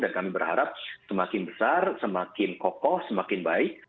dan kami berharap semakin besar semakin kokoh semakin baik